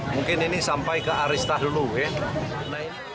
mungkin ini sampai ke arista dulu ya